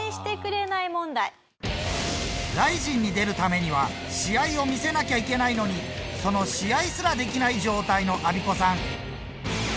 ＲＩＺＩＮに出るためには試合を見せなきゃいけないのにその試合すらできない状態のアビコさん。